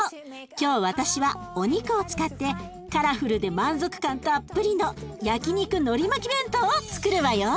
今日私はお肉を使ってカラフルで満足感たっぷりの焼肉のり巻き弁当をつくるわよ！